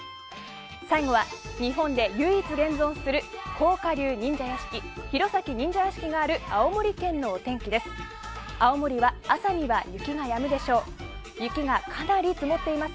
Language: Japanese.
最後は日本で唯一現存する甲賀流忍者屋敷弘前忍者屋敷がある青森県のお天気です。